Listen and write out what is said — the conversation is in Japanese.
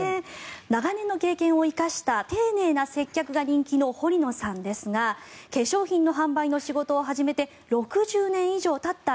長年の経験を生かした丁寧な接客が人気の堀野さんですが化粧品の販売の仕事を始めて６０年以上たった